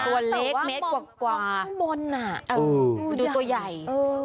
ตัวเล็กเมตรกว่าตัวบนอ่ะเออดูตัวใหญ่เออ